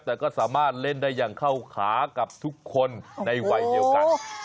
แต่ก็สามารถเล่นได้อย่างเข้าขากับทุกคนในวัยเดียวกัน